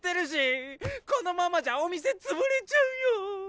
このままじゃお店潰れちゃうよ！